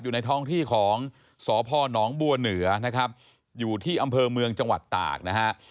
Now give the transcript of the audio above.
อยู่ในท้องที่ของสพนบัวเหนือนะครับอยู่ที่อำเภอเมืองจังหวัดตากนะฮะ